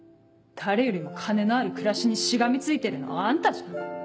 誰よりも金のある暮らしにしがみついてるのはあんたじゃん。